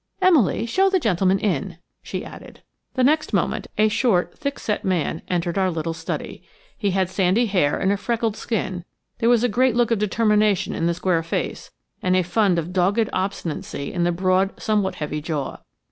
Emily, show the gentleman in," she added. The next moment a short, thick set man entered our little study. He had sandy hair and a freckled skin; there was a great look of determination in the square face and a fund of dogged obstinacy in the broad, somewhat heavy jaw.